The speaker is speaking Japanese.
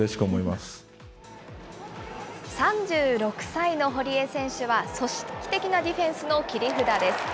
３６歳の堀江選手は、組織的なディフェンスの切り札です。